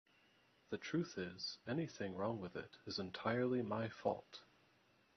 The truth is, anything wrong with it is entirely my fault.